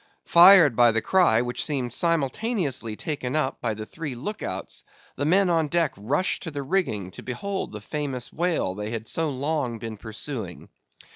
Fired by the cry which seemed simultaneously taken up by the three look outs, the men on deck rushed to the rigging to behold the famous whale they had so long been pursuing.